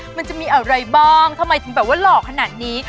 มันจะมีอะไรบ้างทำไมงานน้อยแบบว่ารอขนาดนี้